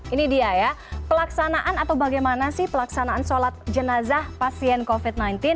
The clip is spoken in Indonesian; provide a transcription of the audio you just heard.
ini dia ya pelaksanaan atau bagaimana sih pelaksanaan sholat jenazah pasien covid sembilan belas